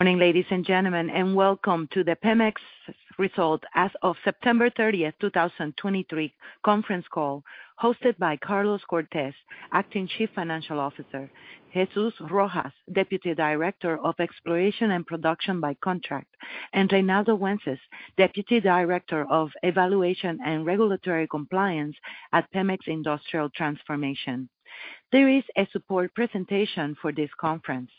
Morning, ladies and gentlemen, and welcome to the PEMEX Results as of September 30th, 2023 Conference Call, hosted by Carlos Cortez, Acting Chief Financial Officer, Jesús Rojas, Deputy Director of Exploration and Production by Contract, and Reinaldo Wences, Deputy Director of Evaluation and Regulatory Compliance at PEMEX Industrial Transformation. There is a support presentation for this conference.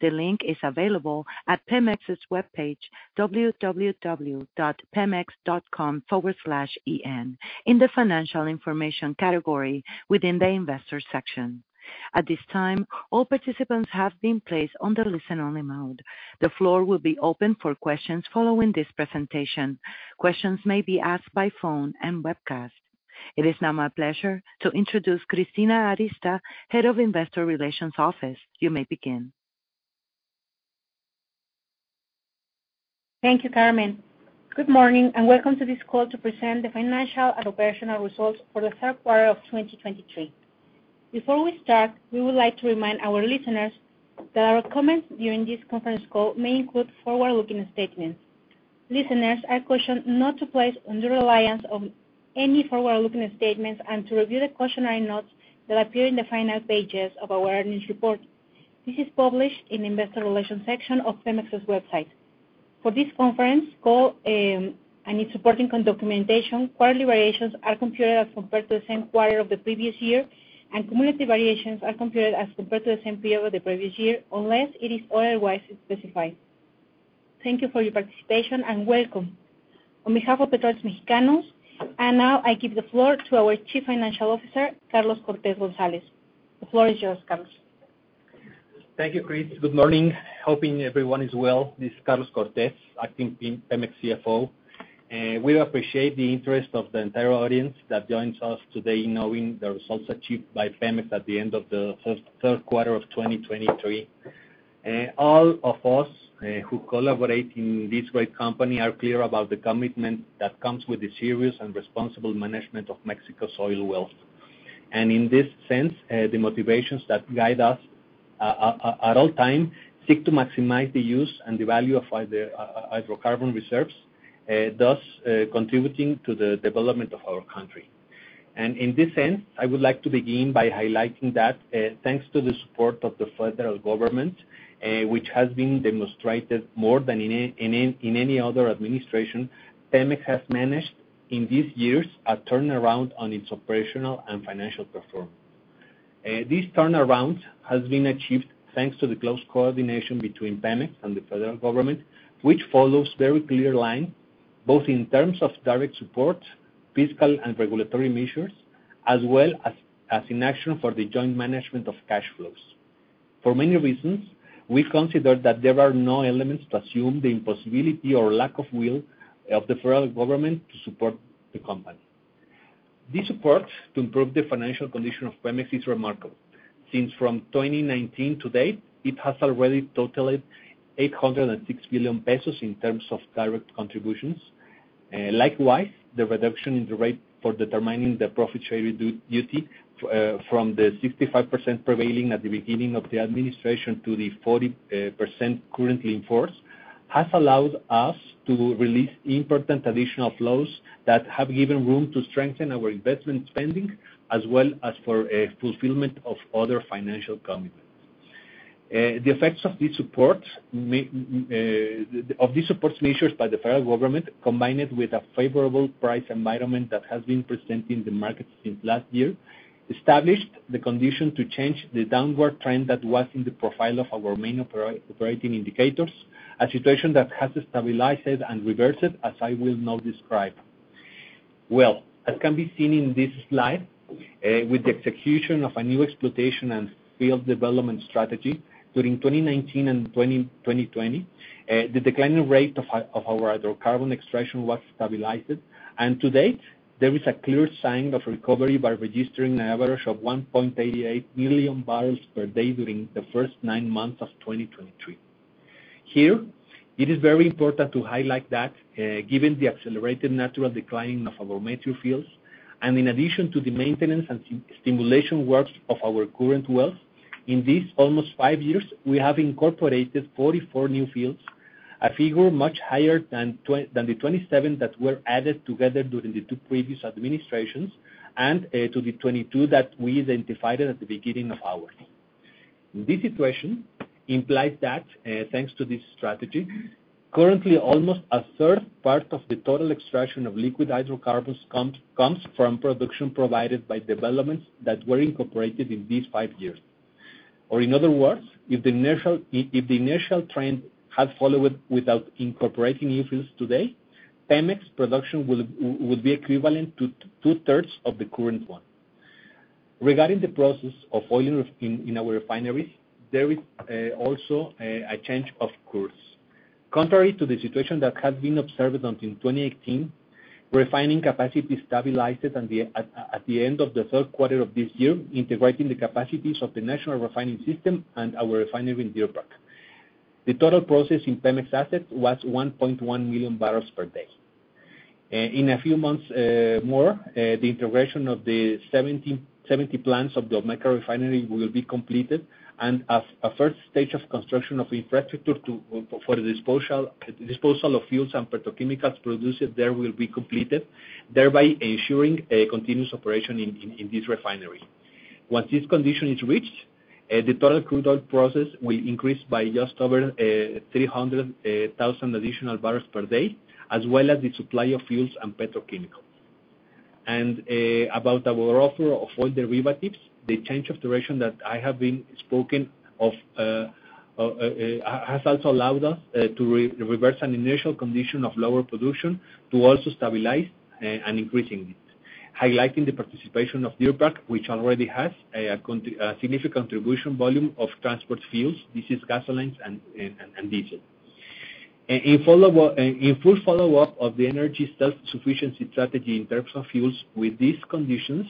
The link is available at PEMEX's webpage, www.pemex.com/en, in the Financial Information category within the Investor section. At this time, all participants have been placed on the listen-only mode. The floor will be open for questions following this presentation. Questions may be asked by phone and webcast. It is now my pleasure to introduce Cristina Arista, Head of Investor Relations Office. You may begin. Thank you, Carmen. Good morning, and welcome to this call to present the financial and operational results for the Q3 of 2023. Before we start, we would like to remind our listeners that our comments during this conference call may include forward-looking statements. Listeners are cautioned not to place undue reliance on any forward-looking statements and to review the cautionary notes that appear in the final pages of our earnings report. This is published in the Investor Relations section of PEMEX's website. For this conference call and its supporting documentation, quarterly variations are computed as compared to the same quarter of the previous year, and cumulative variations are computed as compared to the same period of the previous year, unless it is otherwise specified. Thank you for your participation, and welcome. On behalf of Petróleos Mexicanos, and now I give the floor to our Chief Financial Officer, Carlos Cortez González. The floor is yours, Carlos. Thank you, Chris. Good morning. Hoping everyone is well. This is Carlos Cortez, acting PEMEX CFO. We appreciate the interest of the entire audience that joins us today, knowing the results achieved by PEMEX at the end of the first Q3 of 2023. All of us who collaborate in this great company are clear about the commitment that comes with the serious and responsible management of Mexico's oil wealth. In this sense, the motivations that guide us at all time seek to maximize the use and the value of hydrocarbon reserves, thus contributing to the development of our country. In this sense, I would like to begin by highlighting that, thanks to the support of the federal government, which has been demonstrated more than in any other administration, PEMEX has managed, in these years, a turnaround on its operational and financial performance. This turnaround has been achieved thanks to the close coordination between PEMEX and the federal government, which follows very clear line, both in terms of direct support, fiscal and regulatory measures, as well as in action for the joint management of cash flows. For many reasons, we consider that there are no elements to assume the impossibility or lack of will of the federal government to support the company. This support to improve the financial condition of PEMEX is remarkable. Since from 2019 to date, it has already totaled 806 billion pesos in terms of direct contributions. Likewise, the reduction in the rate for determining the Profit Sharing Duty from the 65% prevailing at the beginning of the administration to the 40% currently in force has allowed us to release important additional flows that have given room to strengthen our investment spending, as well as for a fulfillment of other financial commitments. The effects of these support measures by the federal government, combined with a favorable price environment that has been present in the market since last year, established the condition to change the downward trend that was in the profile of our main operating indicators, a situation that has stabilized and reversed, as I will now describe. Well, as can be seen in this slide, with the execution of a new exploitation and field development strategy during 2019 and 2020, the declining rate of our hydrocarbon extraction was stabilized. And to date, there is a clear sign of recovery by registering an average of 1.88 MMbpd during the first nine months of 2023. Here, it is very important to highlight that, given the accelerated natural declining of our mature fields, and in addition to the maintenance and stimulation works of our current wells, in these almost five years, we have incorporated 44 new fields, a figure much higher than the 27 that were added together during the two previous administrations, and to the 2022 that we identified at the beginning of ours. This situation implies that, thanks to this strategy, currently, almost a third part of the total extraction of liquid hydrocarbons comes from production provided by developments that were incorporated in these five years. Or in other words, if the initial trend had followed without incorporating new fields today, PEMEX production would be equivalent to two-thirds of the current one. Regarding the process of oil in our refineries, there is also a change of course. Contrary to the situation that had been observed until 2018, refining capacity stabilized at the end of the Q3 of this year, integrating the capacities of the national refining system and our refinery in Deer Park. The total process in PEMEX assets was 1.1 MMbpd.. In a few months, more, the integration of the 17 plants of the Olmeca Refinery will be completed, and as a first stage of construction of infrastructure for the disposal, disposal of fuels and petrochemicals produced there will be completed, thereby ensuring a continuous operation in this refinery. Once this condition is reached, the total crude oil process will increase by just over 300,000 additional bbl per day, as well as the supply of fuels and petrochemical. About our offer of oil derivatives, the change of direction that I have been spoken of has also allowed us to reverse an initial condition of lower production to also stabilize and increasing it, highlighting the participation of Deer Park, which already has a significant contribution volume of transport fuels. This is gasolines and diesel. In full follow-up of the energy self-sufficiency strategy in terms of fuels with these conditions,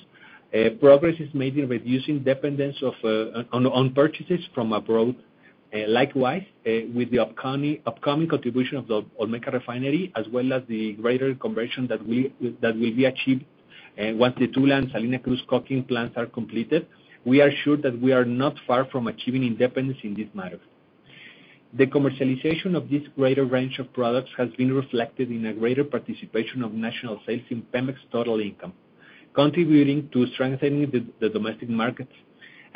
progress is made in reducing dependence on purchases from abroad. Likewise, with the upcoming contribution of the Olmeca Refinery, as well as the greater conversion that will be achieved once the Tula and Salina Cruz coking plants are completed, we are sure that we are not far from achieving independence in this matter. The commercialization of this greater range of products has been reflected in a greater participation of national sales in PEMEX total income, contributing to strengthening the domestic markets.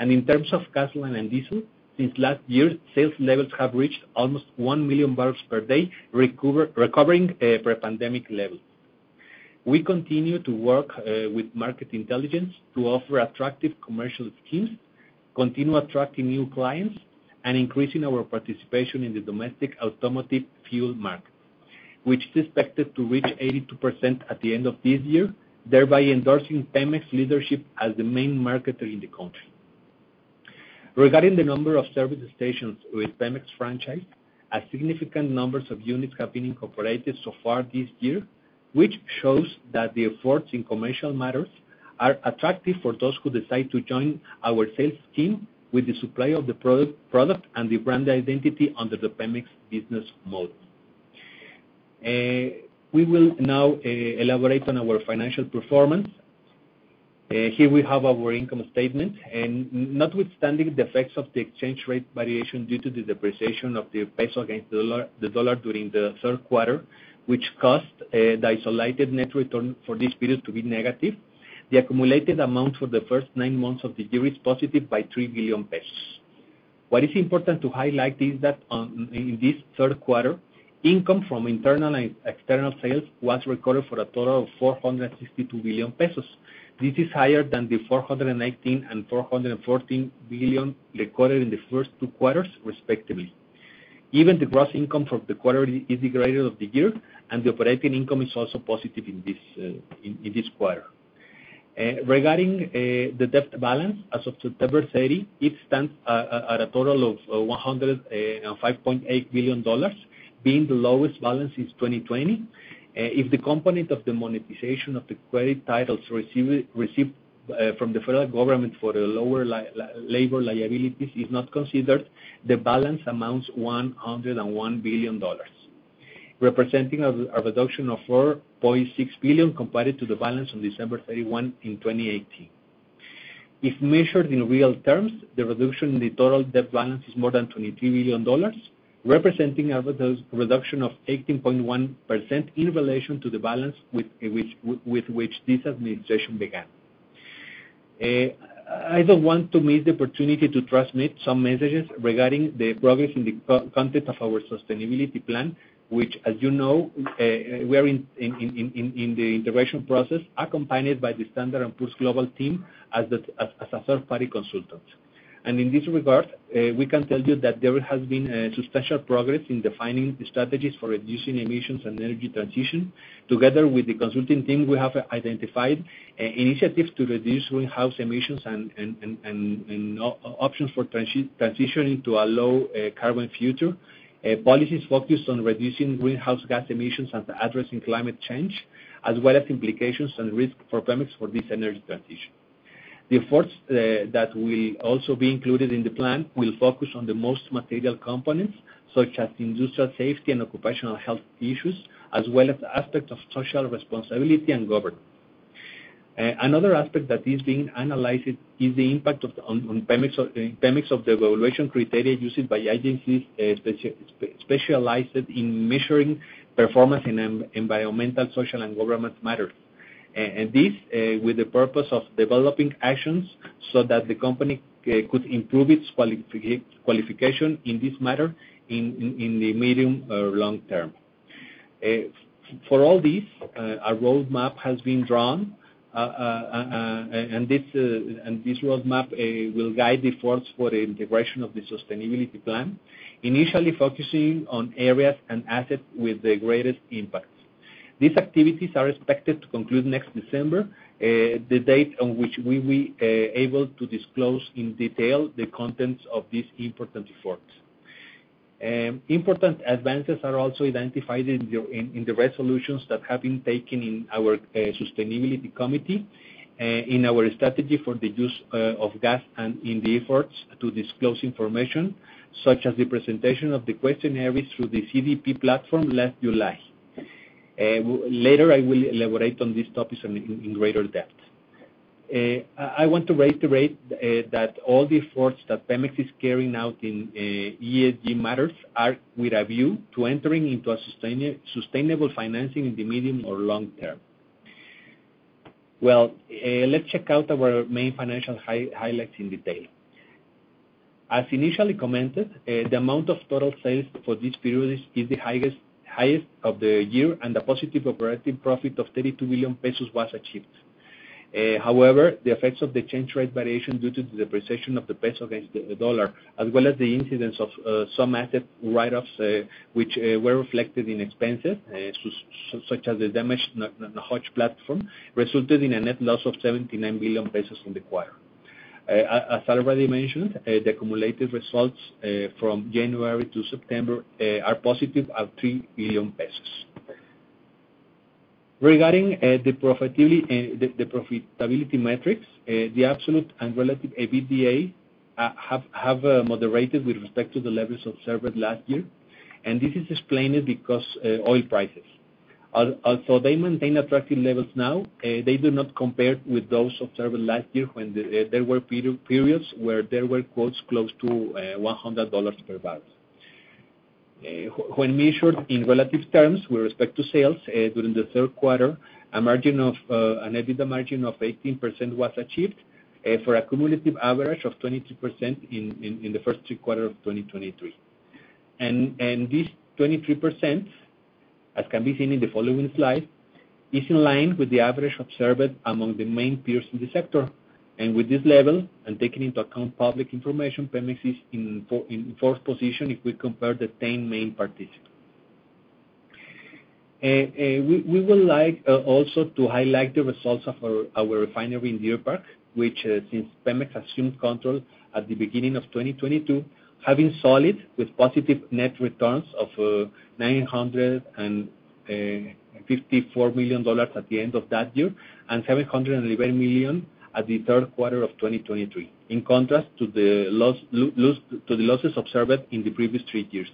In terms of gasoline and diesel, since last year, sales levels have reached almost 1 MMbpd, recovering pre-pandemic levels. We continue to work with market intelligence to offer attractive commercial schemes, continue attracting new clients, and increasing our participation in the domestic automotive fuel market, which is expected to reach 82% at the end of this year, thereby endorsing PEMEX leadership as the main marketer in the country. Regarding the number of service stations with PEMEX franchise, a significant numbers of units have been incorporated so far this year, which shows that the efforts in commercial matters are attractive for those who decide to join our sales team with the supply of the product, product and the brand identity under the PEMEX business model. We will now elaborate on our financial performance. Here we have our income statement, and notwithstanding the effects of the exchange rate variation due to the depreciation of the peso against the dollar, the dollar during the Q3, which caused the isolated net return for this period to be negative, the accumulated amount for the first nine months of the year is positive by 3 billion pesos. What is important to highlight is that in this Q3, income from internal and external sales was recorded for a total of 462 billion pesos. This is higher than the 418 billion and 414 billion recorded in the first two quarters, respectively. Even the gross income from the quarter is the greater of the year, and the operating income is also positive in this quarter. Regarding the debt balance as of September 30, it stands at a total of $105.8 billion, being the lowest balance since 2020. If the component of the monetization of the credit titles received from the federal government for the lower labor liabilities is not considered, the balance amounts $101 billion, representing a reduction of $4.6 billion compared to the balance on December 31 in 2018. If measured in real terms, the reduction in the total debt balance is more than $23 billion, representing a reduction of 18.1% in relation to the balance with which this administration began. I don't want to miss the opportunity to transmit some messages regarding the progress in the context of our sustainability plan, which, as you know, we are in the integration process, accompanied by the Standard & Poor's Global team as a third-party consultant. In this regard, we can tell you that there has been substantial progress in defining the strategies for reducing emissions and energy transition. Together with the consulting team, we have identified initiatives to reduce greenhouse emissions and options for transitioning to a low carbon future, policies focused on reducing greenhouse gas emissions and addressing climate change, as well as implications and risk for PEMEX for this energy transition. The efforts that will also be included in the plan will focus on the most material components, such as industrial safety and occupational health issues, as well as aspects of social responsibility and governance. Another aspect that is being analyzed is the impact on PEMEX of the evaluation criteria used by agencies specialized in measuring performance in environmental, social, and governance matters. And this with the purpose of developing actions so that the company could improve its qualification in this matter in the medium or long term. For all this, a roadmap has been drawn, and this roadmap will guide the efforts for the integration of the sustainability plan, initially focusing on areas and assets with the greatest impact. These activities are expected to conclude next December, the date on which we will able to disclose in detail the contents of these important efforts. Important advances are also identified in the resolutions that have been taken in our sustainability committee, in our strategy for the use of gas and in the efforts to disclose information, such as the presentation of the questionnaires through the CDP platform last July. Later, I will elaborate on these topics in greater depth. I want to reiterate that all the efforts that PEMEX is carrying out in ESG matters are with a view to entering into a sustainable financing in the medium or long term. Well, let's check out our main financial highlights in detail. As initially commented, the amount of total sales for this period is the highest of the year, and a positive operating profit of 32 million pesos was achieved. However, the effects of the exchange rate variation due to the depreciation of the peso against the dollar, as well as the incidence of some asset write-offs, which were reflected in expenses, such as the damage in the Nohoch platform, resulted in a net loss of 79 billion pesos in the quarter. As already mentioned, the cumulative results from January to September are positive at 3 billion pesos. Regarding the profitability and the profitability metrics, the absolute and relative EBITDA have moderated with respect to the levels observed last year, and this is explained because oil prices. Although they maintain attractive levels now, they do not compare with those observed last year when there were periods where there were quotes close to $100 per barrel. When measured in relative terms with respect to sales, during the Q3, a margin of an EBITDA margin of 18% was achieved, for a cumulative average of 22% in the first three quarters of 2023. And this 23%, as can be seen in the following slide, is in line with the average observed among the main peers in the sector. And with this level, and taking into account public information, PEMEX is in fourth position if we compare the 10 main participants. We would like also to highlight the results of our refinery in Deer Park, which since PEMEX assumed control at the beginning of 2022, have been solid, with positive net returns of $954 million at the end of that year, and $711 million at the Q3 of 2023, in contrast to the losses observed in the previous three years.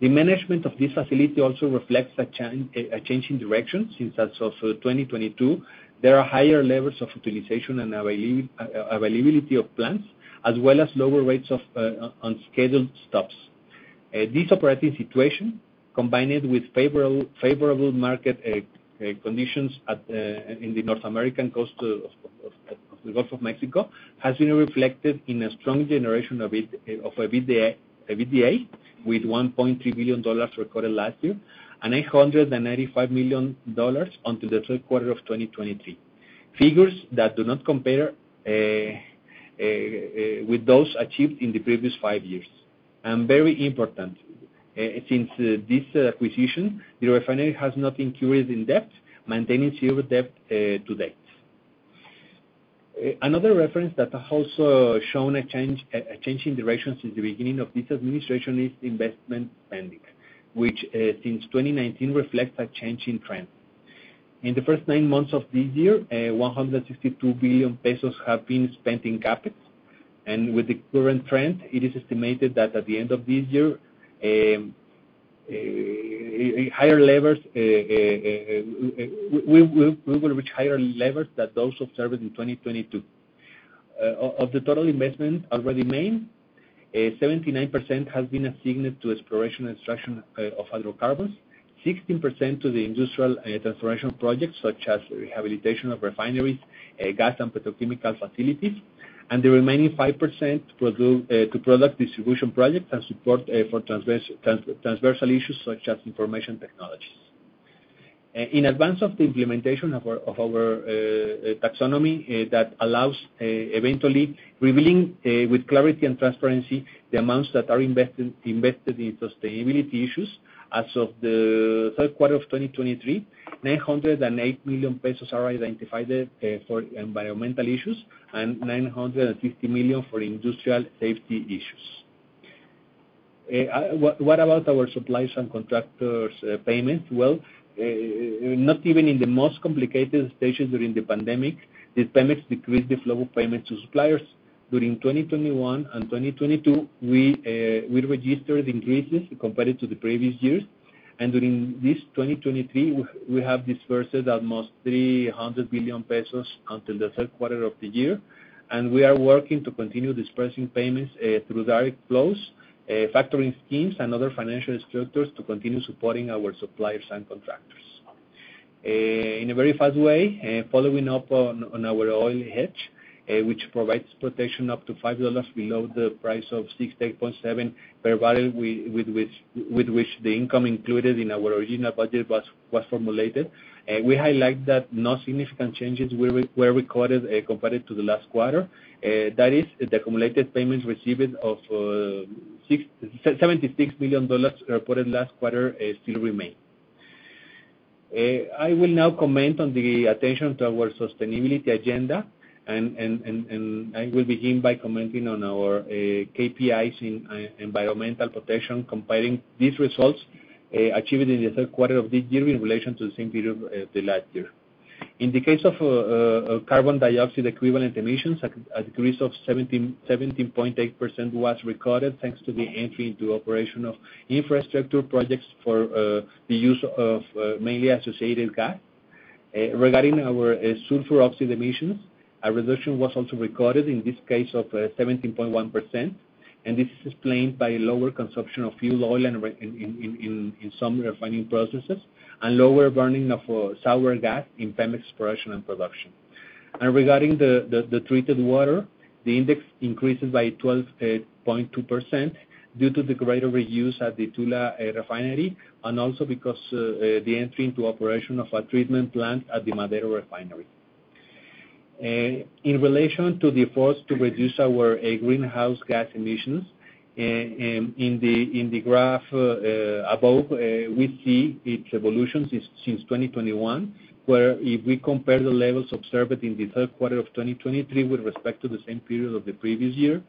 The management of this facility also reflects a change in direction since as of 2022, there are higher levels of utilization and availability of plants, as well as lower rates of unscheduled stops. This operating situation, combined with favorable market conditions in the North American coast of the Gulf of Mexico, has been reflected in a strong generation of EBITDA, with $1.3 billion recorded last year, and $895 million in the Q3 of 2023. Figures that do not compare with those achieved in the previous five years. Very important, since this acquisition, the refinery has not incurred in debt, maintaining zero debt to date. Another reference that has also shown a change in direction since the beginning of this administration, is investment spending, which, since 2019, reflects a change in trend. In the first nine months of this year, 162 billion pesos have been spent in CapEx, and with the current trend, it is estimated that at the end of this year, we will reach higher levels than those observed in 2022. Of the total investment already made, 79% has been assigned to exploration and extraction of hydrocarbons, 16% to the industrial transformation projects such as rehabilitation of refineries, gas and petrochemical facilities, and the remaining 5% to product distribution projects and support for transversal issues such as information technologies. In advance of the implementation of our taxonomy that allows eventually revealing with clarity and transparency the amounts that are invested in sustainability issues, as of the Q3 of 2023, 908 million pesos are identified for environmental issues, and 950 million for industrial safety issues. What about our suppliers and contractors payments? Well, not even in the most complicated stages during the pandemic did PEMEX decrease the flow of payments to suppliers. During 2021 and 2022, we registered increases compared to the previous years, and during this 2023, we have disbursed almost 300 billion pesos until the Q3 of the year. We are working to continue disbursing payments through direct flows, factoring schemes and other financial structures to continue supporting our suppliers and contractors. In a very fast way, following up on our oil hedge, which provides protection up to $5 below the price of $68.7 per barrel, with which the income included in our original budget was formulated, we highlight that no significant changes were recorded compared to the last quarter. That is, the accumulated payments received of $76 billion reported last quarter still remain. I will now comment on the attention to our sustainability agenda, and I will begin by commenting on our KPIs in environmental protection, comparing these results achieved in the Q3 of this year in relation to the same period of the last year. In the case of carbon dioxide equivalent emissions, a decrease of 17.8% was recorded thanks to the entry into operation of infrastructure projects for the use of mainly associated gas. Regarding our sulfur oxide emissions, a reduction was also recorded, in this case of 17.1%, and this is explained by lower consumption of fuel oil and refining in some refining processes, and lower burning of sour gas in PEMEX Exploration and Production. Regarding the treated water, the index increases by 12.2% due to the greater reuse at the Tula Refinery, and also because the entry into operation of a treatment plant at the Madero Refinery. In relation to the efforts to reduce our greenhouse gas emissions, in the graph above, we see its evolution since 2021, where if we compare the levels observed in the Q3 of 2023 with respect to the same period of the previous year,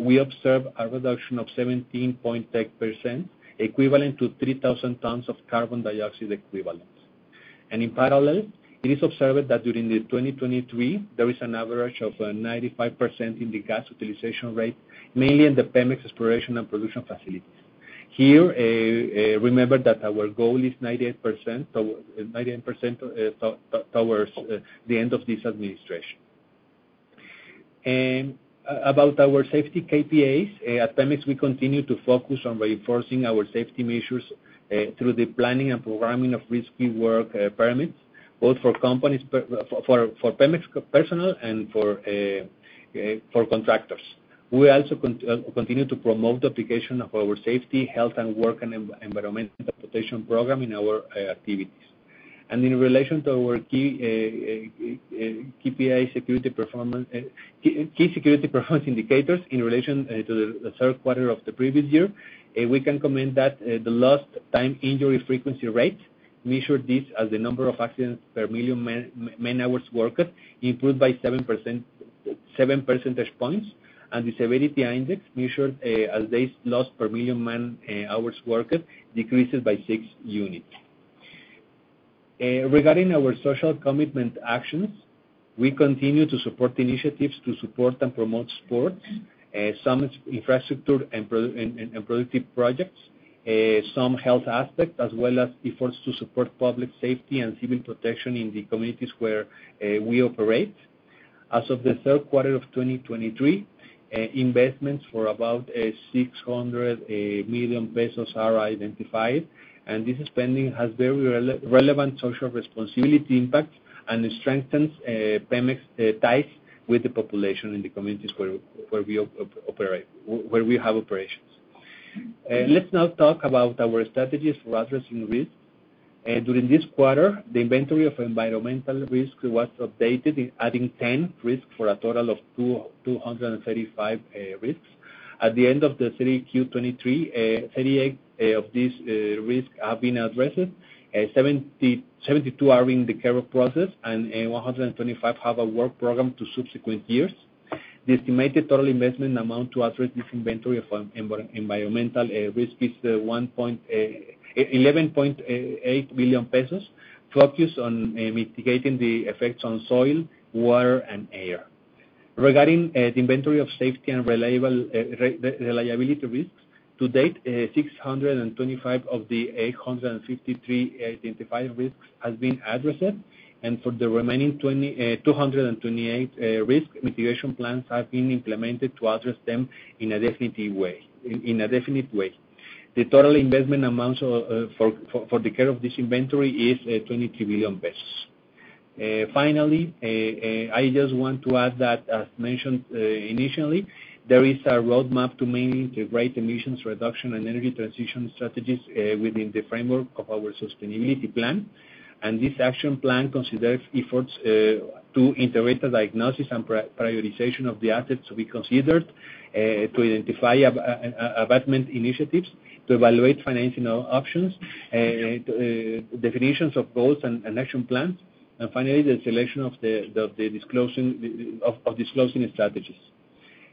we observe a reduction of 17.8%, equivalent to 3,000 tons of carbon dioxide equivalents. And in parallel, it is observed that during 2023, there is an average of 95% in the gas utilization rate, mainly in the PEMEX Exploration and Production facilities. Here, remember that our goal is 98%, so 98%, towards the end of this administration. About our safety KPIs, at PEMEX, we continue to focus on reinforcing our safety measures, through the planning and programming of risky work, permits, both for companies for PEMEX personnel and for contractors. We also continue to promote the application of our safety, health, and work, and environmental protection program in our activities. In relation to our key KPI security performance key security performance indicators in relation to the Q3 of the previous year, we can comment that the lost time injury frequency rate, measured as the number of accidents per million man-hours worked, improved by 7 percentage points, and the severity index measured as days lost per million man-hours worked, decreases by 6 units. Regarding our social commitment actions, we continue to support initiatives to support and promote sports, some infrastructure and productive projects, some health aspects, as well as efforts to support public safety and civil protection in the communities where we operate. As of the Q3 of 2023, investments for about 600 million pesos are identified, and this spending has very relevant social responsibility impact, and it strengthens PEMEX's ties with the population in the communities where we operate, where we have operations. Let's now talk about our strategies for addressing risk. During this quarter, the inventory of environmental risk was updated in adding 10 risks for a total of 235 risks. At the end of Q3 2023, 38 of these risks have been addressed, 72 are in the care process, and 125 have a work program to subsequent years. The estimated total investment amount to address this inventory of environmental risk is 11.8 million pesos, focused on mitigating the effects on soil, water, and air. Regarding the inventory of safety and reliable reliability risks, to date, 625 of the 853 identified risks has been addressed, and for the remaining 228, risk mitigation plans have been implemented to address them in a definitive way, in a definite way. The total investment amounts for the care of this inventory is 23 billion pesos. Finally, I just want to add that, as mentioned initially, there is a roadmap to mainly integrate emissions reduction and energy transition strategies within the framework of our sustainability plan. And this action plan considers efforts to integrate a diagnosis and prioritization of the assets to be considered to identify an abatement initiatives, to evaluate financial options, definitions of goals and action plans, and finally, the selection of the disclosure of disclosing strategies.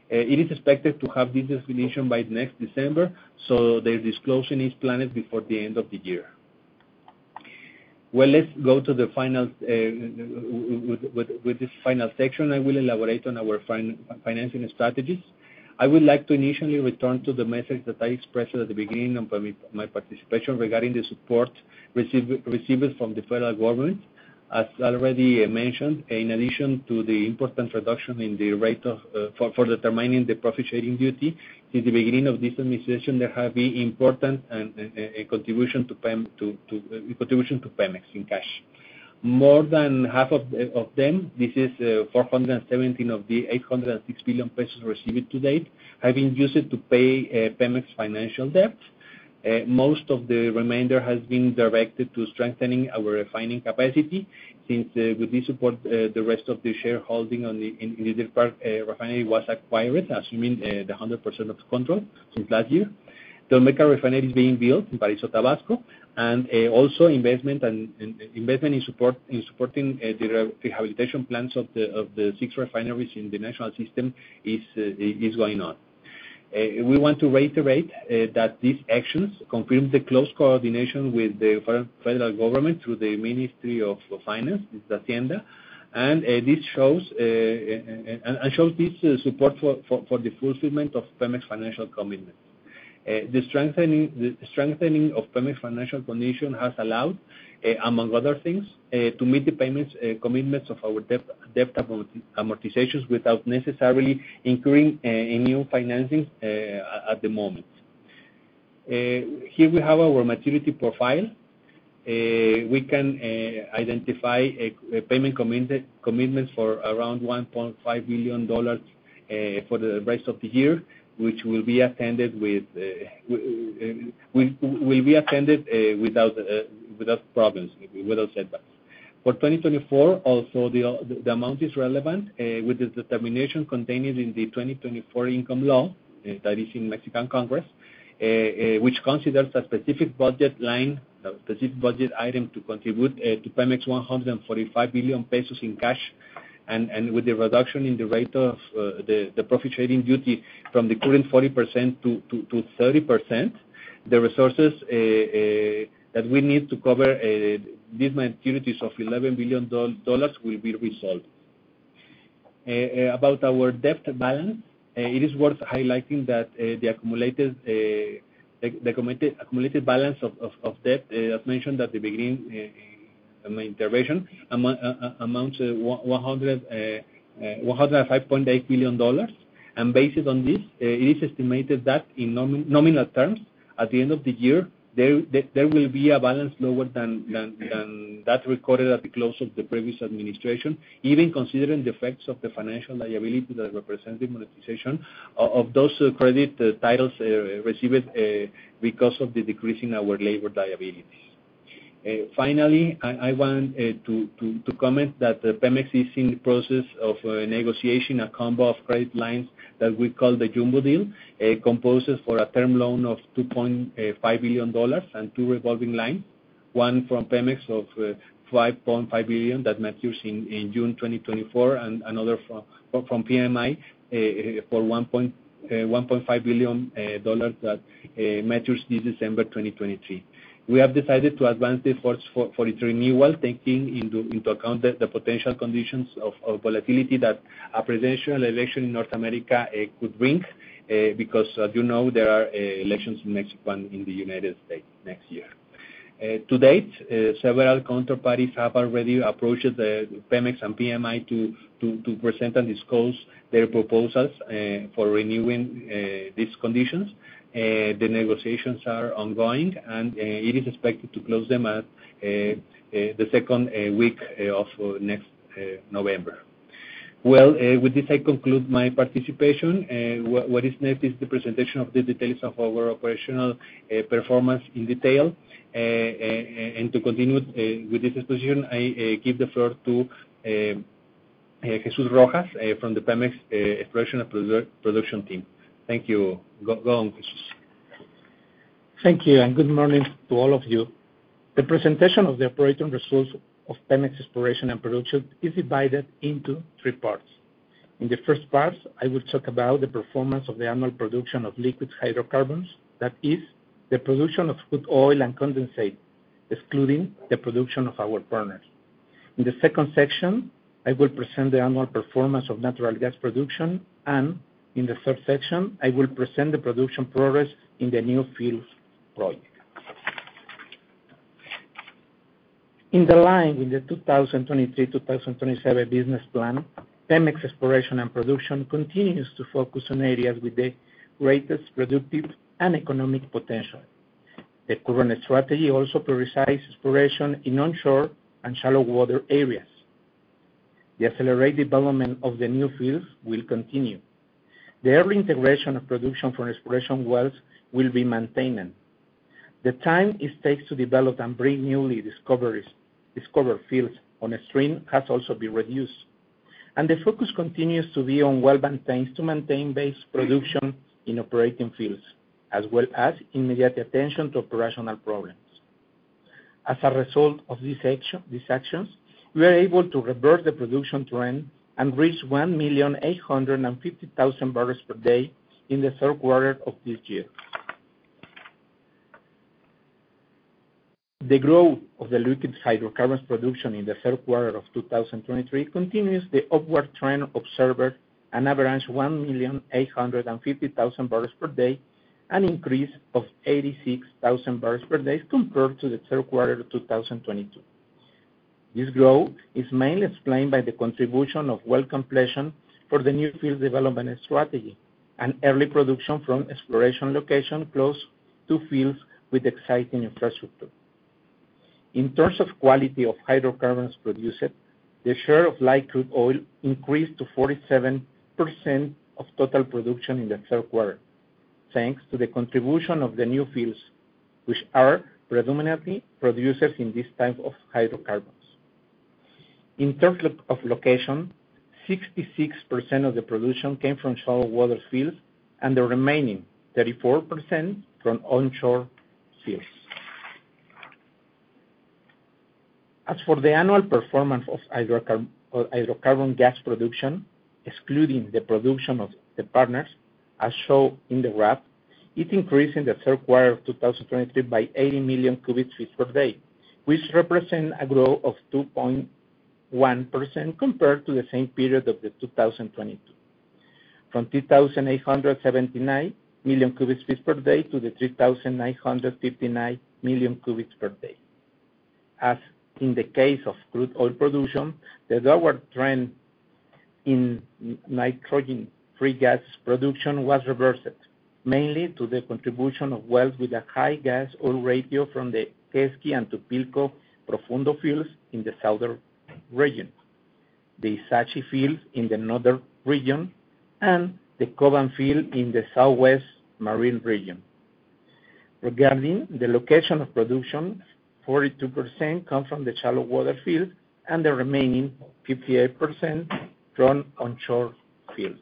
It is expected to have this definition by next December, so the disclosure is planned before the end of the year. Well, let's go to the final with this final section, I will elaborate on our financing strategies. I would like to initially return to the message that I expressed at the beginning of my participation regarding the support received from the federal government. As already mentioned, in addition to the important reduction in the rate for determining the Profit Sharing Duty, since the beginning of this administration, there have been important contributions to PEMEX in cash. More than half of them, this is 417 of the 806 billion pesos received to date, have been used to pay PEMEX financial debts. Most of the remainder has been directed to strengthening our refining capacity, since, with this support, the rest of the shareholding in the Deer Park Refinery was acquired, assuming 100% of the control since last year. The Olmeca Refinery is being built in Dos Bocas, Tabasco, and also investment in supporting the rehabilitation plans of the six refineries in the national system is going on. We want to reiterate that these actions confirm the close coordination with the federal government through the Ministry of Finance, the Hacienda, and this shows support for the fulfillment of PEMEX's financial commitment. The strengthening, the strengthening of PEMEX financial condition has allowed, among other things, to meet the payments, commitments of our debt, debt amortizations without necessarily incurring a new financing at the moment. Here we have our maturity profile. We can identify a payment commitment for around $1.5 billion for the rest of the year, which will be attended with, will be attended without problems, without setbacks. For 2024, also, the amount is relevant, with the determination contained in the 2024 income law that is in Mexican Congress, which considers a specific budget line, a specific budget item, to contribute to PEMEX 145 billion pesos in cash. With the reduction in the rate of the Profit Sharing Duty from the current 40% to 30%, the resources that we need to cover these maturities of $11 billion will be resolved. About our debt balance, it is worth highlighting that the accumulated, the committed accumulated balance of debt, as mentioned at the beginning, in my presentation, amounts to $105.8 billion. And based on this, it is estimated that in nominal terms, at the end of the year, there will be a balance lower than that recorded at the close of the previous administration. Even considering the effects of the financial liability that represented monetization of those credit titles received because of the decrease in our labor liabilities. Finally, I want to comment that PEMEX is in the process of negotiation, a combo of credit lines that we call the Jumbo Deal. It composes for a term loan of $2.5 billion and two revolving line, one from PEMEX of $5.5 billion that matures in June 2024, and another from PMI for $1.5 billion dollars that matures this December 2023. We have decided to advance the efforts for its renewal, taking into account the potential conditions of volatility that a presidential election in North America could bring. Because as you know, there are elections in Mexico and in the United States next year. To date, several counterparties have already approached the PEMEX and PMI to present and discuss their proposals for renewing these conditions. The negotiations are ongoing, and it is expected to close them at the second week of next November. Well, with this, I conclude my participation. What is next is the presentation of the details of our operational performance in detail. And to continue with this discussion, I give the floor to Jesús Rojas from the PEMEX Exploration and Production team. Thank you. Go on, Jesús. Thank you, and good morning to all of you. The presentation of the operating results of PEMEX Exploration and Production is divided into three parts. In the first part, I will talk about the performance of the annual production of liquid hydrocarbons, that is, the production of crude oil and condensate, excluding the production of our partners. In the second section, I will present the annual performance of natural gas production, and in the third section, I will present the production progress in the new fields project. In the line, in the 2023-2027 business plan, PEMEX Exploration and Production continues to focus on areas with the greatest productive and economic potential. The current strategy also prioritizes exploration in onshore and shallow water areas. The accelerated development of the new fields will continue. The early integration of production from exploration wells will be maintained. The time it takes to develop and bring newly discovered fields onstream has also been reduced. The focus continues to be on wells and tanks to maintain base production in operating fields, as well as immediate attention to operational problems. As a result of these actions, we are able to reverse the production trend and reach 1,850,000 bbl per day in the Q3 of this year. The growth of the liquid hydrocarbons production in the Q3 of 2023 continues the upward trend observed, with an average of 1.850 MMbpd, an increase of 86,000 bbl per day compared to the Q3 of 2022. This growth is mainly explained by the contribution of well completion for the new field development strategy, and early production from exploration location close to fields with existing infrastructure. In terms of quality of hydrocarbons produced, the share of light crude oil increased to 47% of total production in the Q3, thanks to the contribution of the new fields, which are predominantly producers in this type of hydrocarbons. In terms of location, 66% of the production came from shallow water fields, and the remaining 34% from onshore fields. As for the annual performance of hydrocarbon gas production, excluding the production of the partners, as shown in the graph, it increased in the Q3 of 2023 by 80 million cu ft per day, which represent a growth of 2.1% compared to the same period of 2022, from 2,879 million cu ft per day to 3,959 million cu ft per day. As in the case of crude oil production, the lower trend in nitrogen-free gas production was reversed, mainly to the contribution of wells with a high gas oil ratio from the Quesqui and Tupilco Profundo fields in the southern region, the Ixachi fields in the northern region, and the Koban field in the sour wet marine region. Regarding the location of production, 42% come from the shallow water field, and the remaining 58% from onshore fields.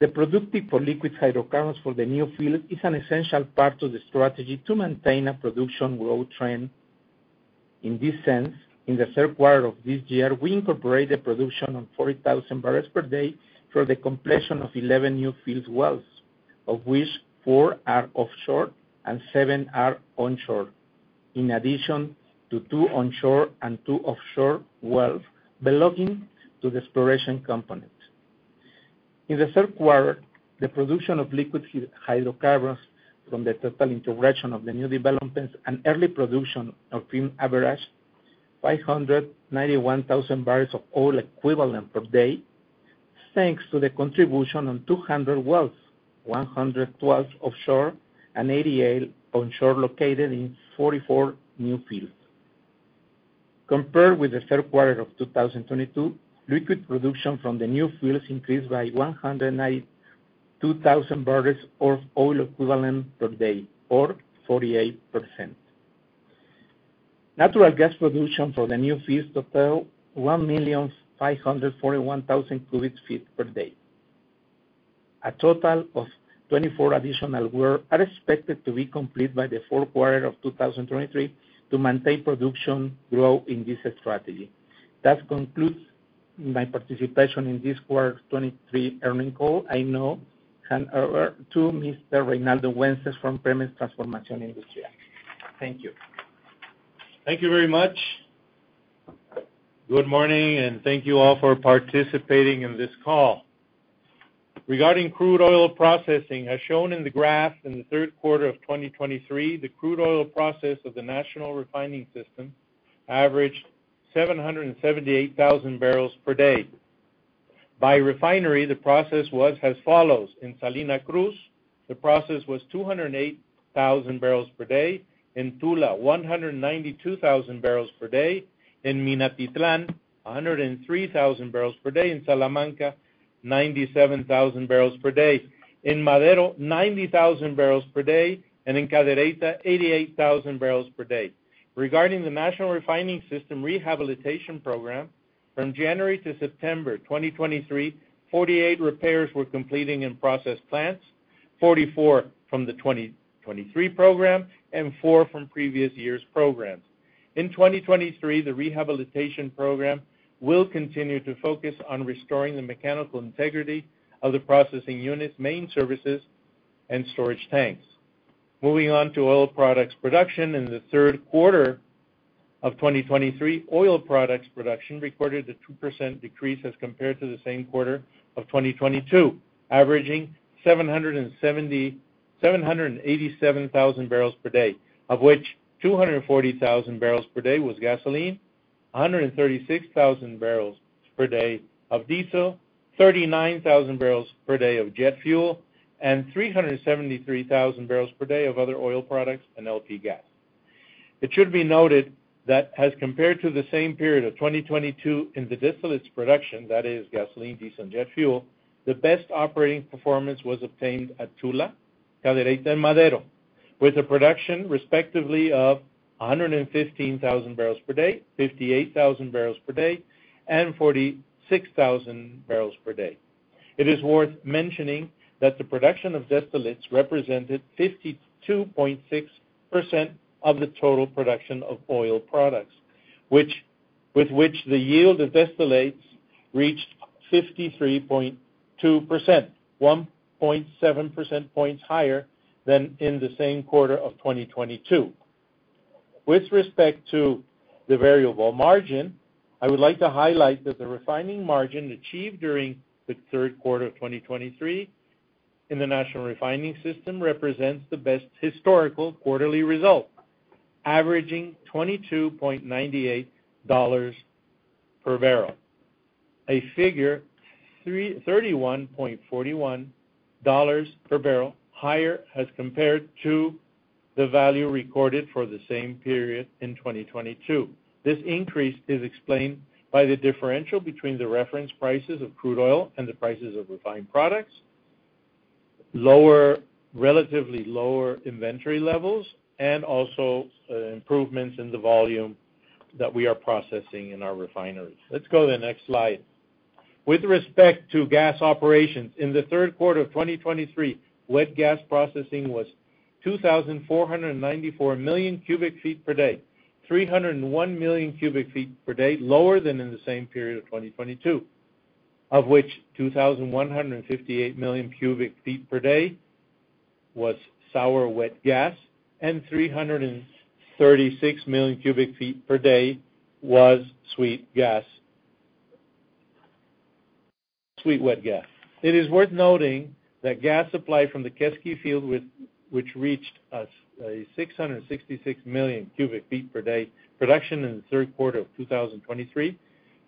The productive for liquid hydrocarbons for the new field is an essential part of the strategy to maintain a production growth trend. In this sense, in the Q3 of this year, we incorporated production on 40,000 bbl per day through the completion of 11 new field wells, of which 4 are offshore and 7 are onshore, in addition to 2 onshore and 2 offshore wells belonging to the exploration component. In the Q3, the production of liquid hydrocarbons from the total integration of the new developments and early production of field averaged 591,000 barrels of oil equivalent per day, thanks to the contribution on 200 wells, 100 wells offshore and 88 onshore, located in 44 new fields. Compared with the Q3 of 2022, liquid production from the new fields increased by 192,000 bbl of oil equivalent per day, or 48%. Natural gas production for the new fields totals 1,541,000 cu ft per day. A total of 24 additional wells are expected to be complete by the Q4 of 2023 to maintain production growth in this strategy. That concludes my participation in this quarter 23 earnings call. I now hand over to Mr. Reinaldo Wences from PEMEX Transformación Industrial. Thank you. Thank you very much. Good morning, and thank you all for participating in this call. Regarding crude oil processing, as shown in the graph, in the Q3 of 2023, the crude oil process of the national refining system averaged 778,000 bbl per day. By refinery, the process was as follows: In Salina Cruz, the process was 208,000 bbl per day. In Tula, 192,000 bbl per day; in Minatitlán, 103,000 bbl per day; in Salamanca, 97,000 bbl per day; in Madero, 90,000 bbl per day, and in Cadereyta, 88,000 bbl per day. Regarding the National Refining System Rehabilitation Program, from January to September 2023, 48 repairs were completing in process plants, 44 from the 2023 program and 4 from previous years' programs. In 2023, the rehabilitation program will continue to focus on restoring the mechanical integrity of the processing units, main services, and storage tanks. Moving on to oil products production. In the Q3 of 2023, oil products production recorded a 2% decrease as compared to the same quarter of 2022, averaging 787,000 bbl per day, of which 240,000 bbl per day was gasoline, 136,000 bbl per day of diesel, 39,000 bbl per day of jet fuel, and 373,000 bbl per day of other oil products and LP gas. It should be noted that as compared to the same period of 2022, in the distillates production, that is gasoline, diesel, and jet fuel, the best operating performance was obtained at Tula, Cadereyta, and Madero, with a production, respectively, of 115,000 bbl per day, 58,000 bbl per day, and 46,000 bbl per day. It is worth mentioning that the production of distillates represented 52.6% of the total production of oil products, which, with which the yield of distillates reached 53.2%, 1.7 percentage points higher than in the same quarter of 2022. With respect to the variable margin, I would like to highlight that the refining margin achieved during the Q3 of 2023 in the national refining system represents the best historical quarterly result, averaging $22.98 per barrel. A figure $31.41 per barrel higher as compared to the value recorded for the same period in 2022. This increase is explained by the differential between the reference prices of crude oil and the prices of refined products, relatively lower inventory levels, and also improvements in the volume that we are processing in our refineries. Let's go to the next slide. With respect to gas operations, in the Q3 of 2023, wet gas processing was 2,494 million cu ft per day, 301 million cu ft per day lower than in the same period of 2022, of which 2,158 million cu ft per day was sour wet gas, and 336 million cu ft per day was sweet wet gas. It is worth noting that gas supply from the Quesqui field, which reached 666 million cu ft per day production in the Q3 of 2023,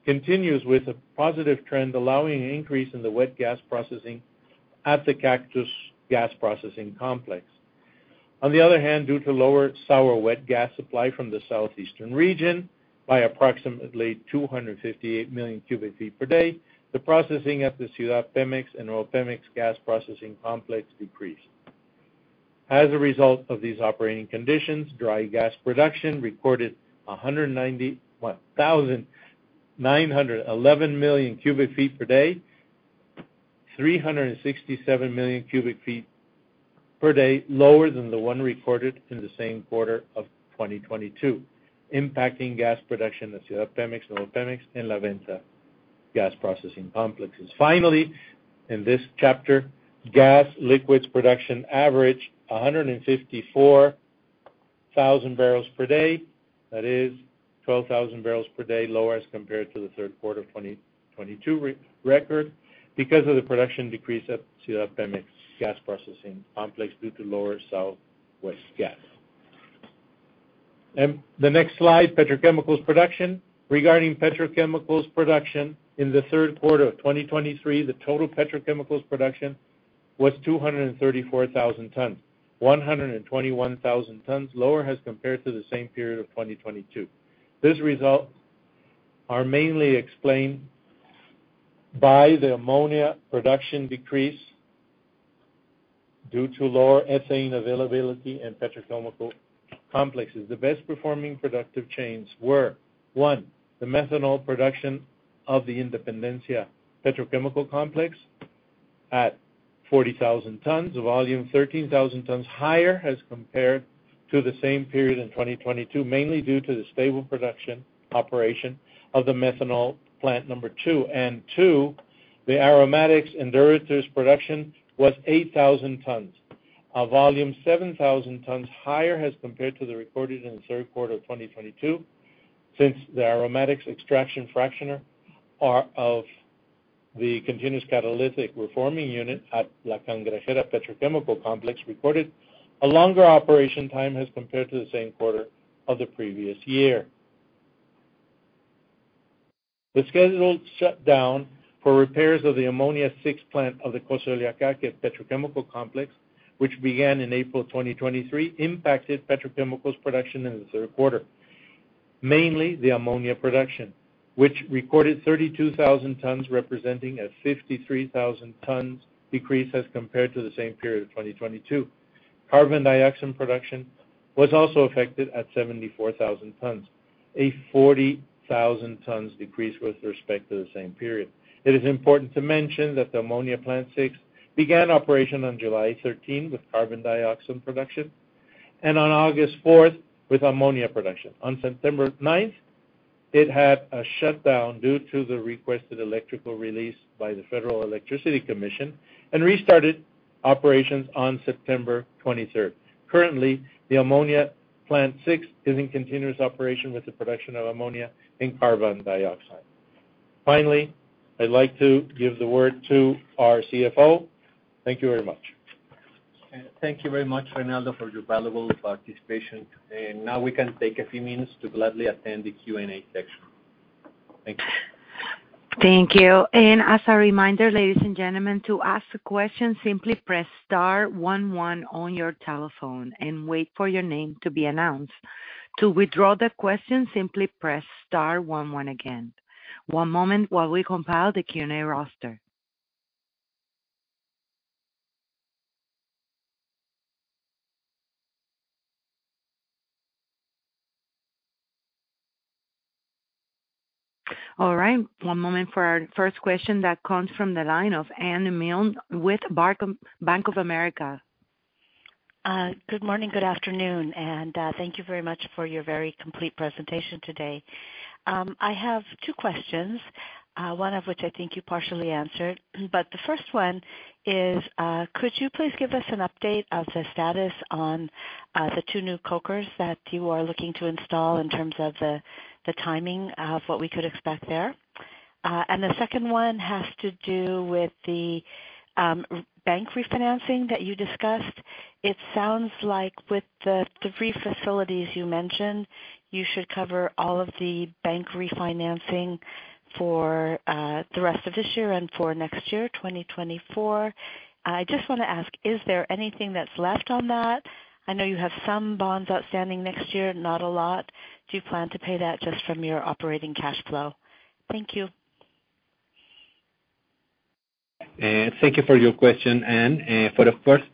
continues with a positive trend, allowing an increase in the wet gas processing at the Cactus Gas Processing Complex. On the other hand, due to lower sour wet gas supply from the southeastern region by approximately 258 million cu ft per day, the processing at the Ciudad PEMEX and PEMEX Gas Processing Complex decreased. As a result of these operating conditions, dry gas production recorded 911 million cu ft per day, 367 million cu ft per day lower than the one recorded in the same quarter of 2022, impacting gas production at Ciudad PEMEX, Nuevo PEMEX, and La Venta Gas Processing Complexes. Finally, in this chapter, gas liquids production averaged 154,000 bbl per day. That is 12,000 bbl per day lower as compared to the Q3 of 2022 record, because of the production decrease at Ciudad PEMEX gas processing complex due to lower southwest gas. The next slide, petrochemicals production. Regarding petrochemicals production, in the Q3 of 2023, the total petrochemicals production was 234,000 tons, 121,000 tons lower as compared to the same period of 2022. These results are mainly explained by the ammonia production decrease due to lower ethane availability and petrochemical complexes. The best-performing productive chains were, one, the methanol production of the Independencia Petrochemical Complex at 40,000 tons, a volume 13,000 tons higher as compared to the same period in 2022, mainly due to the stable production operation of the methanol plant number two. And two, the aromatics and derivatives production was 8,000 tons, a volume 7,000 tons higher as compared to the recorded in the Q3 of 2022, since the aromatics extraction fractioner of the continuous catalytic reforming unit at La Cangrejera Petrochemical Complex, recorded a longer operation time as compared to the same quarter of the previous year. The scheduled shutdown for repairs of the Ammonia Plant Six of the Cosoleacaque Petrochemical Complex, which began in April 2023, impacted petrochemicals production in the Q3. Mainly, the ammonia production, which recorded 32,000 tons, representing a 53,000 tons decrease as compared to the same period of 2022. Carbon dioxide production was also affected at 74,000 tons, a 40,000 tons decrease with respect to the same period. It is important to mention that the Ammonia Plant Six began operation on July 13 with carbon dioxide production, and on August 4 with ammonia production. On September 9, it had a shutdown due to the requested electrical release by the Federal Electricity Commission, and restarted operations on September 23. Currently, the Ammonia Plant Six is in continuous operation with the production of ammonia and carbon dioxide. Finally, I'd like to give the word to our CFO. Thank you very much. Thank you very much, Reinaldo, for your valuable participation today. And now we can take a few minutes to gladly attend the Q&A section. Thank you. Thank you. And as a reminder, ladies and gentlemen, to ask a question, simply press Star 1 1 on your telephone and wait for your name to be announced. To withdraw the question, simply press star one one again. One moment while we compile the Q&A roster. All right, one moment for our first question that comes from the line of Anne Milne with Bank of America. Good morning, good afternoon, and thank you very much for your very complete presentation today. I have two questions, one of which I think you partially answered. But the first one is, could you please give us an update of the status on the two new cokers that you are looking to install in terms of the timing of what we could expect there? And the second one has to do with the bank refinancing that you discussed. It sounds like with the three facilities you mentioned, you should cover all of the bank refinancing for the rest of this year and for next year, 2024. I just want to ask, is there anything that's left on that? I know you have some bonds outstanding next year, not a lot. Do you plan to pay that just from your operating cash flow? Thank you. Thank you for your question, Anne. For the first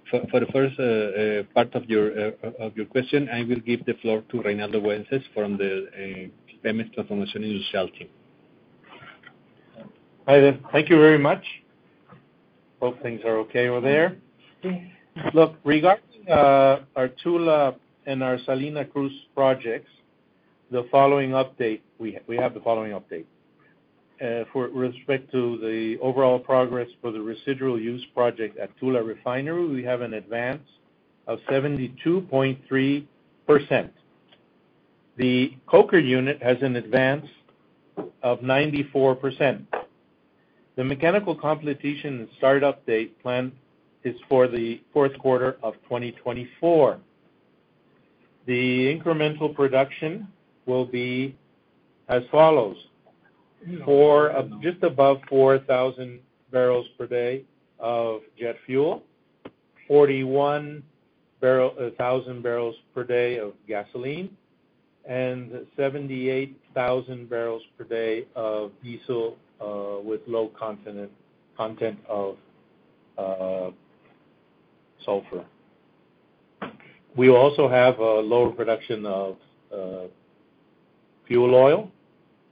part of your question, I will give the floor to Reinaldo Wences from the PEMEX Industrial Transformation team. Hi there. Thank you very much. Hope things are okay over there. Look, regarding our Tula and our Salina Cruz projects, the following update: with respect to the overall progress for the residual use project at Tula Refinery, we have an advance of 72.3%. The coker unit has an advance of 94%. The mechanical completion and start-up date plan is for the Q4 of 2024. The incremental production will be as follows: just above 4,000 bbl per day of jet fuel, 41,000 bbl per day of gasoline, and 78,000 bbl per day of diesel with low content of sulfur. We also have a lower production of fuel oil,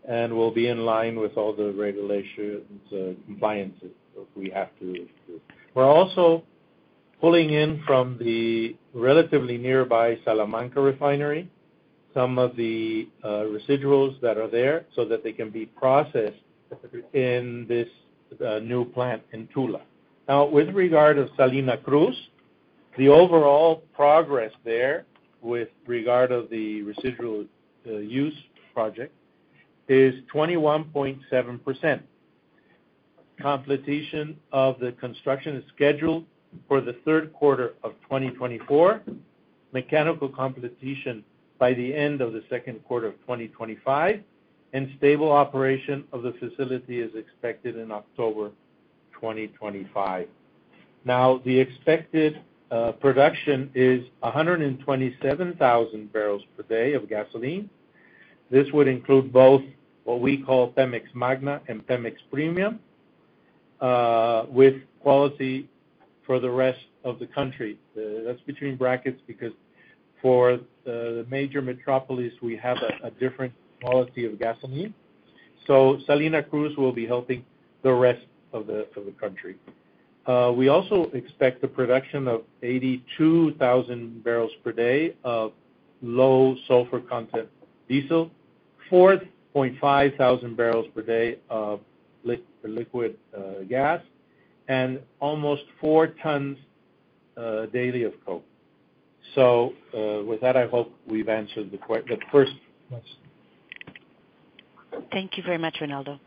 and we'll be in line with all the regulations, compliances that we have to. We're also pulling in from the relatively nearby Salamanca Refinery, some of the residuals that are there so that they can be processed in this new plant in Tula. Now, with regard of Salina Cruz, the overall progress there with regard of the residual use project is 21.7%. Completion of the construction is scheduled for the Q3 of 2024, mechanical completion by the end of the Q2 of 2025, and stable operation of the facility is expected in October 2025. Now, the expected production is 127,000 bbl per day of gasoline. This would include both what we call PEMEX Magna and PEMEX Premium with quality for the rest of the country. That's between brackets, because for the, the major metropolis, we have a, a different quality of gasoline. So Salina Cruz will be helping the rest of the country. We also expect the production of 82,000 bbl per day of low-sulfur content diesel, 4,500 bbl per day of liquid gas, and almost 4 tons daily of coke. So, with that, I hope we've answered the first question. Thank you very much, Reinaldo.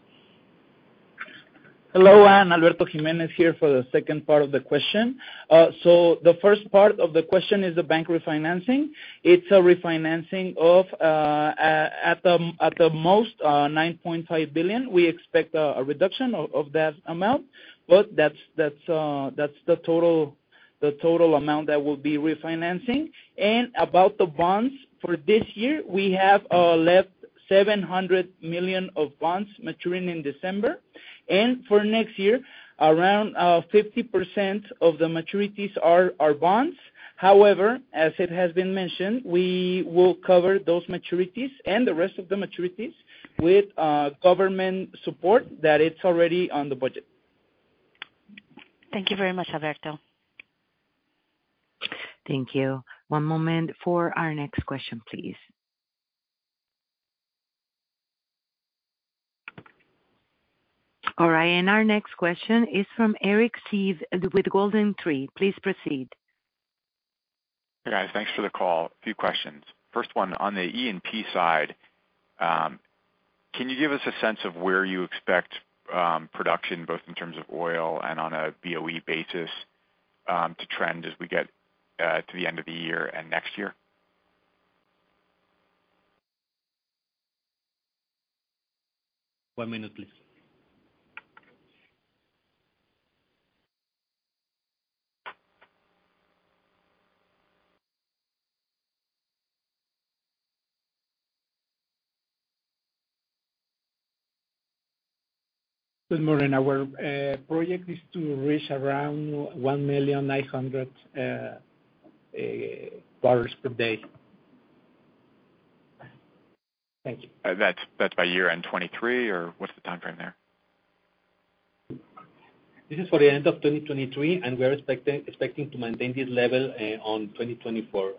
Hello, Anne. Alberto Jiménez here for the second part of the question. So the first part of the question is the bank refinancing. It's a refinancing of, at the most, $9.5 billion. We expect a reduction of that amount, but that's the total amount that we'll be refinancing. And about the bonds for this year, we have left $700 million of bonds maturing in December. And for next year, around 50% of the maturities are bonds. However, as it has been mentioned, we will cover those maturities and the rest of the maturities with government support that it's already on the budget. Thank you very much, Alberto. Thank you. One moment for our next question, please. All right, and our next question is from Eric Seeve with GoldenTree. Please proceed. Hey, guys. Thanks for the call. A few questions. First one, on the E&P side, can you give us a sense of where you expect production, both in terms of oil and on a BOE basis, to trend as we get to the end of the year and next year? One minute, please. Good morning. Our project is to reach around 1.9 MMbpd. Thank you. That's by year-end 2023, or what's the timeframe there? This is for the end of 2023, and we're expecting to maintain this level on 2024.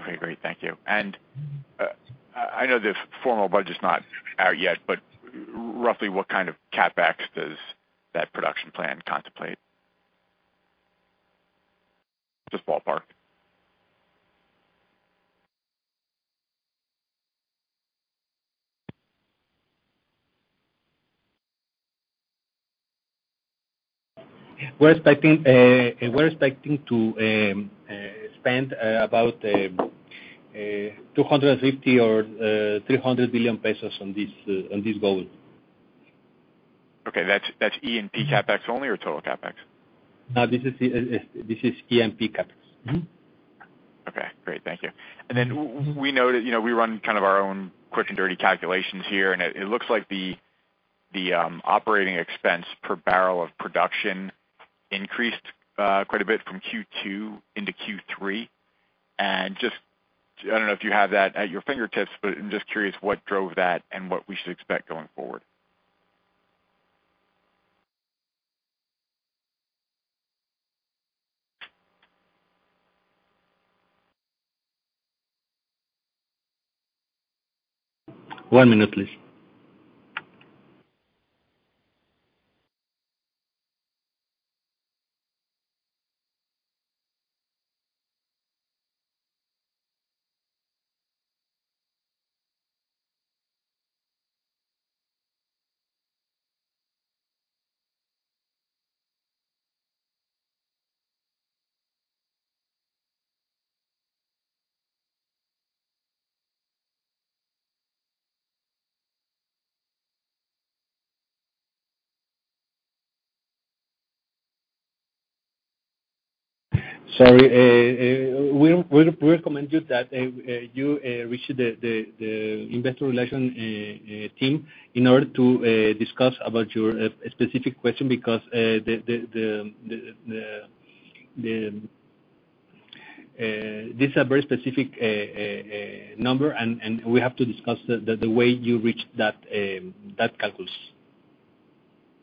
Okay, great. Thank you. And, I know the formal budget's not out yet, but roughly what kind of CapEx does that production plan contemplate? Just ballpark. We're expecting to spend about 250 billion or 300 billion pesos on this goal. Okay, that's, that's E&P CapEx only or total CapEx? No, this is the, this is E&P CapEx. Mm-hmm. Okay, great. Thank you. And then we know that, you know, we run kind of our own quick and dirty calculations here, and it looks like the operating expense per barrel of production increased quite a bit from Q2 into Q3. And just, I don't know if you have that at your fingertips, but I'm just curious what drove that and what we should expect going forward. One minute, please. Sorry, we recommend you that you reach the Investor Relations team in order to discuss about your specific question because this is a very specific number, and we have to discuss the way you reach that calculus.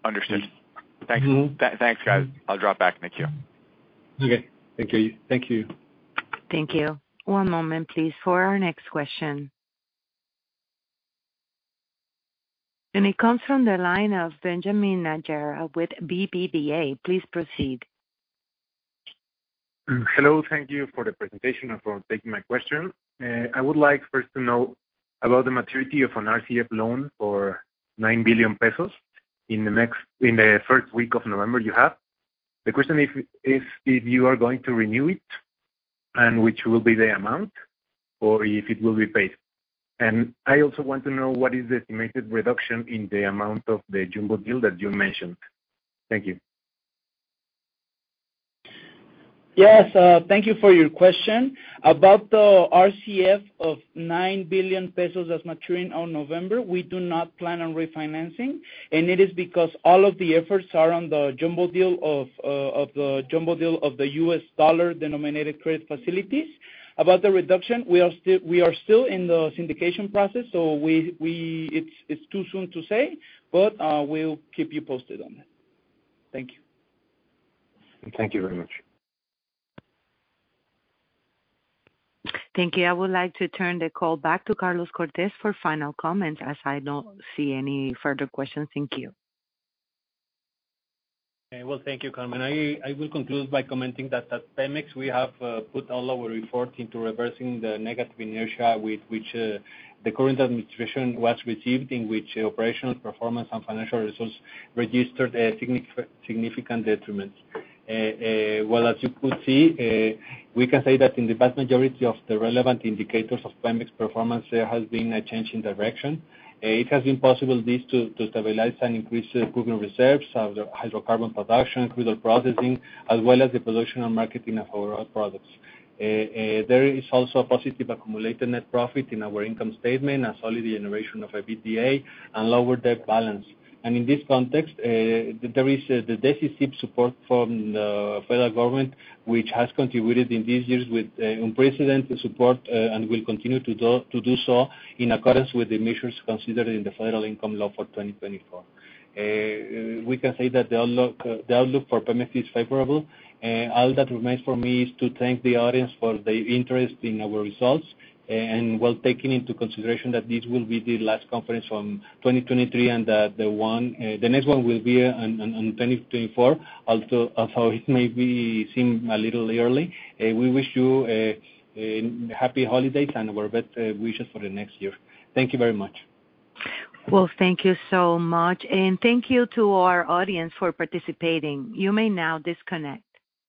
Understood. Mm-hmm. Thanks. Thanks, guys. I'll drop back. Thank you. Okay, thank you. Thank you. Thank you. One moment, please, for our next question. It comes from the line of Benjamin Najera with BBVA. Please proceed. Hello. Thank you for the presentation and for taking my question. I would like first to know about the maturity of an RCF loan for 9 billion pesos in the next, in the first week of November you have. The question is, is if you are going to renew it, and which will be the amount, or if it will be paid? And I also want to know what is the estimated reduction in the amount of the Jumbo Deal that you mentioned. Thank you. Yes, thank you for your question. About the RCF of 9 billion pesos that's maturing on November, we do not plan on refinancing, and it is because all of the efforts are on the Jumbo Deal of the U.S. dollar-denominated credit facilities. About the reduction, we are still in the syndication process, so it's too soon to say, but we'll keep you posted on that. Thank you. Thank you very much. Thank you. I would like to turn the call back to Carlos Cortez for final comments, as I don't see any further questions in queue. Well, thank you, Carmen. I will conclude by commenting that at PEMEX, we have put all our effort into reversing the negative inertia with which the current administration was received, in which operational performance and financial results registered a significant detriment. Well, as you could see, we can say that in the vast majority of the relevant indicators of PEMEX performance, there has been a change in direction. It has been possible to stabilize and increase proven reserves of the hydrocarbon production, crude oil processing, as well as the production and marketing of our oil products. There is also a positive accumulated net profit in our income statement, a solid generation of EBITDA, and lower debt balance. In this context, there is the decisive support from the federal government, which has contributed in these years with unprecedented support, and will continue to do, to do so in accordance with the measures considered in the Federal Income Law for 2024. We can say that the outlook for PEMEX is favorable. All that remains for me is to thank the audience for their interest in our results. And while taking into consideration that this will be the last conference from 2023, and that the one, the next one will be on, on, on 2024, although, although it may be seem a little early, we wish you a happy holidays and our best wishes for the next year. Thank you very much. Well, thank you so much, and thank you to our audience for participating. You may now disconnect.